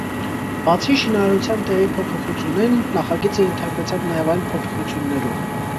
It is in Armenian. Բացի շինարարութեան տեղի փոփոխութենէն, նախագիծը ենթարկուեցաւ նաեւ այլ փոփոխութիւններու։